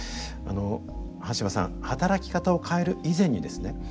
あの端羽さん働き方を変える以前にですね